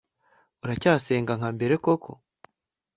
Uracyasenga nka mbere koko